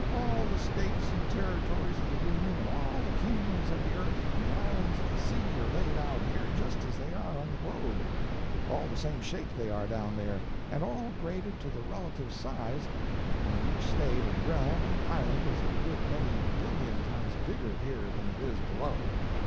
All the States and Territories of the Union, and all the kingdoms of the earth and the islands of the sea are laid out here just as they are on the globe—all the same shape they are down there, and all graded to the relative size, only each State and realm and island is a good many billion times bigger here than it is below.